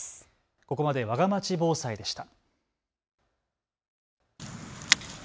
ここまでわがまち防災でした。